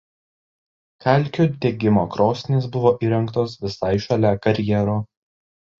Kalkių degimo krosnys buvo įrengtos visai šalia karjero.